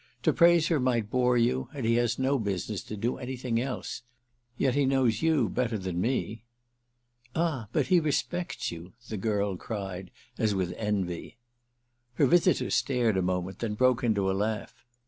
To praise her might bore you, and he has no business to do anything else. Yet he knows you better than me." "Ah but he respects you!" the girl cried as with envy. Her visitor stared a moment, then broke into a laugh.